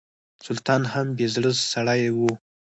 سلطان هم بې زړه سړی و.